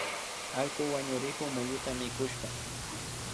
Allku wañukrikun miyuta mikushpa